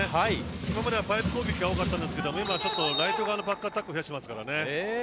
今までパイプ攻撃が多かったのですがライト側のバックアタックを増やしてますからね。